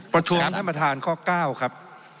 ประชุมท่านประธานข้อเก้าครับ